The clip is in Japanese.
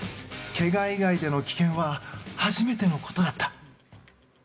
怪我以外での棄権は初めてのことだった。